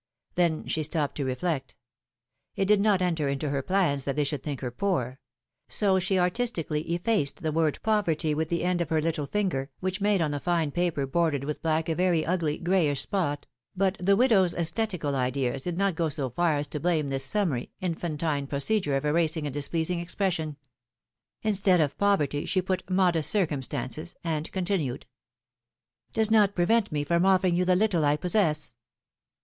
'^ Then she stopped to reflect. It did not enter into her plans that they should think her poor; so she artistically efiliced the word poverty with the end of her little finger, which made on the fine paper bordered with black a very ugly, grayish spot ; but the widow's csthetical ideas did not go so far as to blame this summary, infantine procedure of erasing a displeasing expression. Instead of ^^poverty," she put modest circumstances," and continued : ^^Does not prevent me from offering you the little I possess.